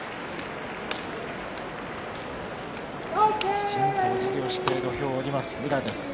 きちんとおじぎをして土俵を下ります、宇良です。